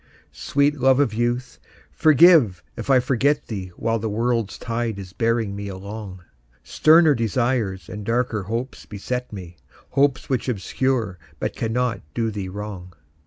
Sweet love of youth, forgive if I forget thee While the world's tide is bearing me along; Sterner desires and darker hopes beset me, Hopes which obscure but cannot do thee wrong.